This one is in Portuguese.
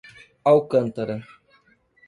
Alcântara